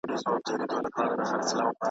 درواغجن حافظه نلري .